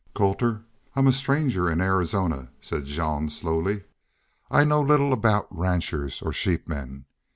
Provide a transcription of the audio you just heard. "Colter, I'm a stranger in Arizona," said Jean, slowly. "I know little about ranchers or sheepmen.